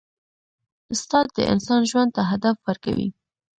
استاد د انسان ژوند ته هدف ورکوي.